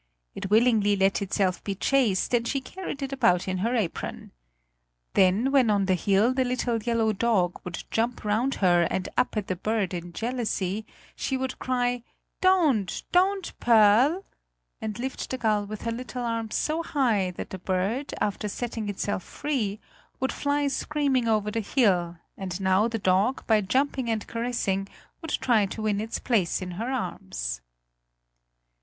It willingly let itself be chased, and she carried it about in her apron. Then, when on the hill the little yellow dog would jump round her and up at the bird in jealousy, she would cry: "Don't, don't, Pearl!" and lift the gull with her little arms so high, that the bird, after setting itself free, would fly screaming over the hill, and now the dog, by jumping and caressing, would try to win its place in her arms.